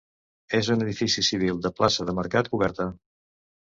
És un edifici civil de plaça de mercat coberta.